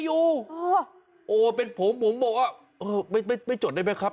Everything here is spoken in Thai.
โอ้เป็นผมผมบอกว่าไม่จดได้แม่ครับ